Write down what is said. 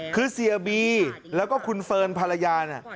คือเซียบีแล้วก็คุณเฟิร์นภรรยา